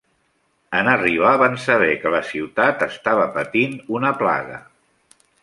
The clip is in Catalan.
En arribar van saber que la ciutat estava patint una plaga.